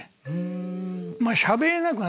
まあしゃべれなく。